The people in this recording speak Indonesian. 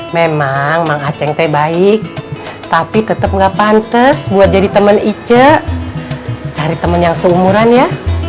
memang mengaceng teh baik tapi tetep nggak pantes buat jadi temen icet cari temen yang seumuran ya